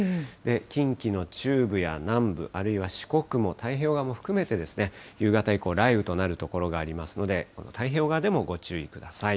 近畿の中部や南部、あるいは四国も太平洋側も含めて、夕方以降、雷雨となる所がありますので、太平洋側でもご注意ください。